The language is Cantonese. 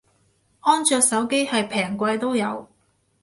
安卓手機係平貴都有